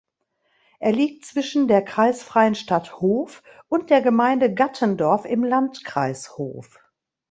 Er liegt zwischen der kreisfreien Stadt Hof und der Gemeinde Gattendorf im Landkreis Hof.